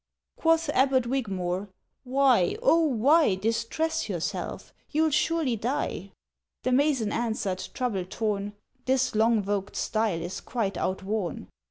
Quoth Abbot Wygmore: "Why, O why Distress yourself? You'll surely die!" The mason answered, trouble torn, "This long vogued style is quite outworn!